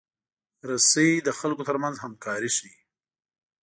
رسۍ د خلکو ترمنځ همکاري ښيي.